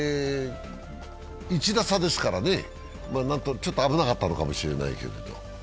１打差ですからね、ちょっと危なかったのかもしれないけれど。